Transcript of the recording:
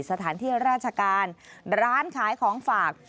สถานที่ราชการร้านขายของฝาก